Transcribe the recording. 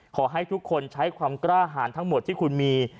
ขอให้ทุกคนใช้ความกล้าหารทั้งหมดที่คุณมี